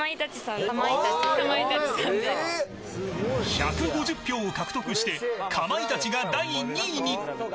１５０票を獲得してかまいたちが第２位に。